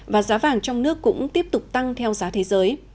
và giá vàng trong nước cũng tiếp tục tăng theo giá thế giới